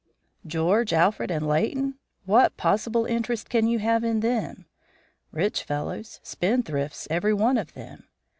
"George, Alfred, and Leighton? What possible interest can you have in them? Rich fellows, spendthrifts, every one of them.